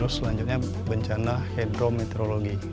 selanjutnya bencana hidrometeorologi